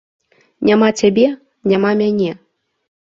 Няма цябе, няма мяне.